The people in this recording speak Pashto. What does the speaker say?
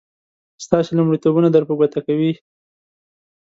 ستاسې لومړيتوبونه در په ګوته کوي.